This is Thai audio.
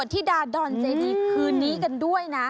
ปรากฏที่ดาดดอนเจดีคืนนี้กันด้วยนะ